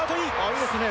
いいですね